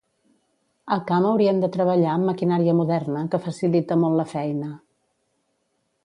Al camp haurien de treballar amb maquinària moderna que facilita molt la feina.